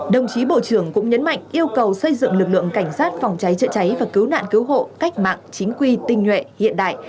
đồng chí bộ trưởng cũng nhấn mạnh yêu cầu xây dựng lực lượng cảnh sát phòng cháy chữa cháy và cứu nạn cứu hộ cách mạng chính quy tinh nhuệ hiện đại